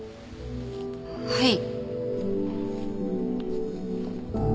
はい。